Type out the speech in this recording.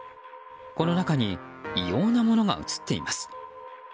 この中に異様なものが映っています。